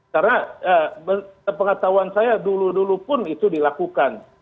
karena pengetahuan saya dulu dulupun itu dilakukan